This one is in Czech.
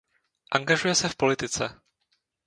Angažuje se v politice.